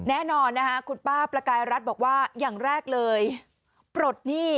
แน่นอนนะคะคุณป้าประกายรัฐบอกว่าอย่างแรกเลยปลดหนี้